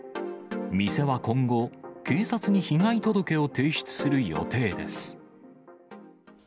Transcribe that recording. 店は今後、警察に被害届を提出する予定です。